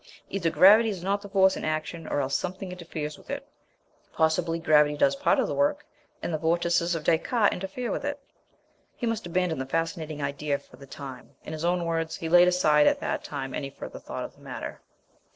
Either gravity is not the force in action, or else something interferes with it. Possibly, gravity does part of the work, and the vortices of Descartes interfere with it. He must abandon the fascinating idea for the time. In his own words, "he laid aside at that time any further thought of the matter."